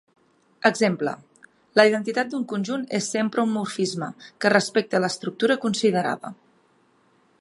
Exemple: la identitat d'un conjunt és sempre un morfisme, que respecta l'estructura considerada.